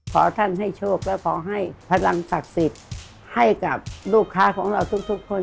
ขอท่านให้โชคและขอให้พลังศักดิ์สิทธิ์ให้กับลูกค้าของเราทุกคน